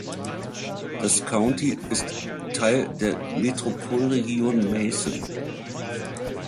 Das County ist Teil der Metropolregion Macon.